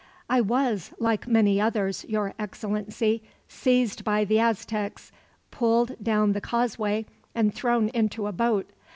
"I was, like many others, your Excellency, seized by the Aztecs, pulled down the causeway, and thrown into a boat.